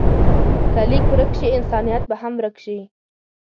که لیک ورک شي، انسانیت به هم ورک شي.